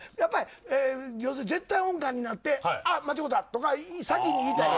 絶対音感になって間違ったとか先に言いたい。